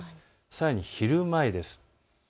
さらに昼前です。